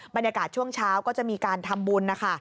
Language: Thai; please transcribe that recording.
บรรยากาศช่วงเช้าก็จะมีการทำบุญนะคะ